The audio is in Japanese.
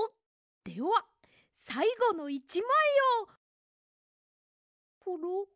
ではさいごの１まいをコロ？